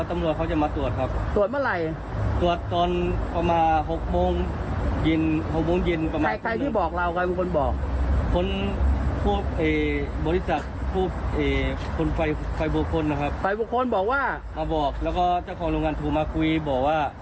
มาบอกแล้วก็เจ้าของโรงงานถูกมาคุยบอกว่า